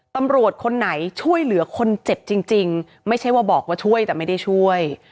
ตำรวจคนไหนช่วยเหลือคนเจ็บจริงไม่ใช่ว่าบอกว่าช่วยแต่ไม่ได้ช่วย